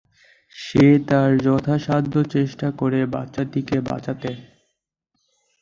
সে তার যথাসাধ্য চেষ্টা করে বাচ্চাটিকে বাঁচাতে।